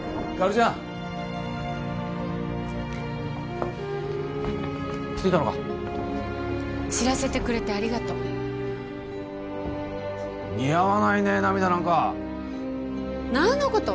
ちゃん・来てたのか知らせてくれてありがとう似合わないね涙なんか何のこと？